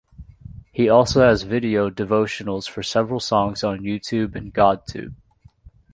He also has video devotionals for several songs on YouTube and GodTube.